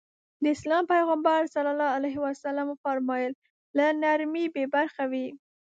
د اسلام پيغمبر ص وفرمايل له نرمي بې برخې وي.